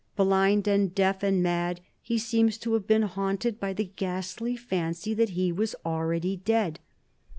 Blind and deaf and mad, he seems to have been haunted by the ghastly fancy that he was already dead.